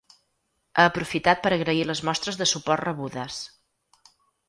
Ha aprofitat per agrair les mostres de suport rebudes.